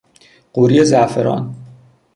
قوری زعفران